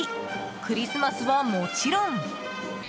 クリスマスはもちろん。